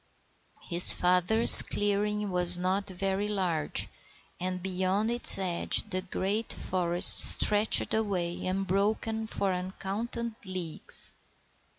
His father's clearing was not very large, and beyond its edge the great forest stretched away unbroken for uncounted leagues.